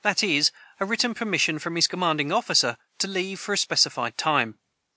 [Footnote 178: That is, a written permission from his commanding officer, to leave for a specified time.